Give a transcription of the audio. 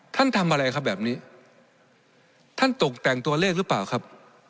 ทำอะไรครับแบบนี้ท่านตกแต่งตัวเลขหรือเปล่าครับ